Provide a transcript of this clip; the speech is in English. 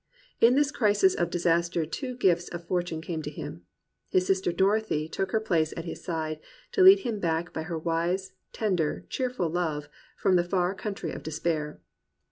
In this crisis of disaster two gifts of for tune came to him. His sister Dorothy took her place at his side, to lead him back by her wise, ten der, cheerful love from the far country of despair.